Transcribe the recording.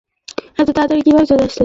এতো তাড়াতাড়ি কিভাবে চলে আসলে?